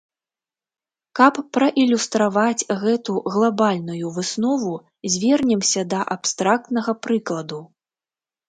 Каб праілюстраваць гэту глабальную выснову, звернемся да абстрактнага прыкладу.